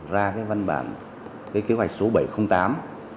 ra văn bản kế hoạch số bảy trăm linh tám năm hai nghìn một mươi